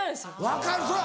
分かるそう。